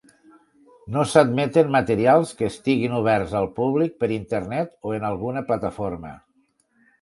No s'admeten materials que estiguin oberts al públic per Internet o en alguna plataforma.